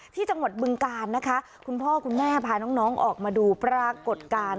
ที่จังหวัดบึงการนะคะคุณพ่อคุณแม่พาน้องออกมาดูปรากฏการณ์